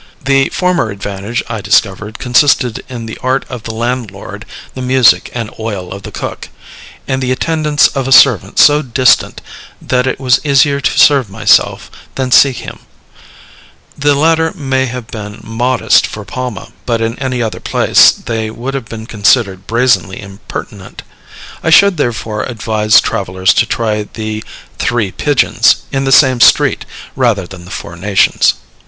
The former advantage, I discovered, consisted in the art of the landlord, the music and oil of the cook, and the attendance of a servant so distant that it was easier to serve myself than seek him; the latter may have been "modest" for Palma, but in any other place they would have been considered brazenly impertinent. I should therefore advise travellers to try the "Three Pigeons," in the same street, rather than the Four Nations.